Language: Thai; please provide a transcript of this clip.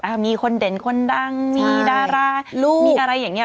มีคนเด่นคนดังมีดาราลูกมีอะไรอย่างเงี้